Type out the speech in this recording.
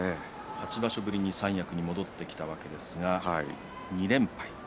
秋場所ぶりに三役に戻ってきたわけですが２連敗。